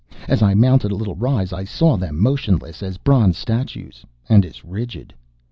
As I mounted a little rise I saw them, motionless as bronze statues, and as rigid.